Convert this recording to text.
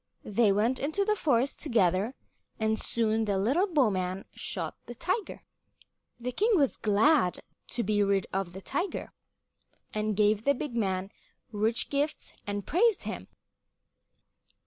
They went into the forest together, and soon the little bowman shot the tiger. The king was glad to be rid of the tiger, and gave the big man rich gifts and praised him.